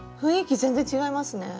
全然違いますね。